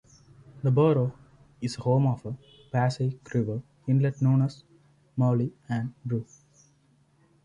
The borough is home of a Passaic River inlet known as Molly Ann Brook.